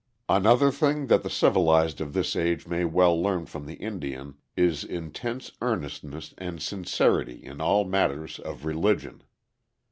] Another thing that the civilized of this age may well learn from the Indian is intense earnestness and sincerity in all matters of religion.